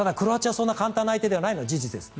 そんな簡単な相手ではないのは事実です。